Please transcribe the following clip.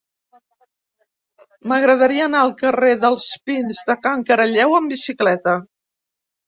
M'agradaria anar al carrer dels Pins de Can Caralleu amb bicicleta.